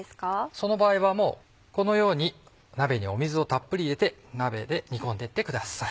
その場合はこのように鍋に水をたっぷり入れて鍋で煮込んで行ってください。